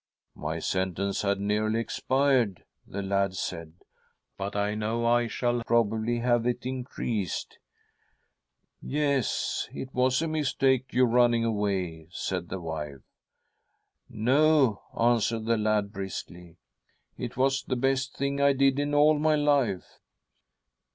'My sentence' had nearly expired,' the lad said, ' but 1 now I shall probably have it increased.' ' Yes, it was a mistake, your running away,' said the wife. ' No !' answered the lad briskly ;' it was the best thing I did in all my life.'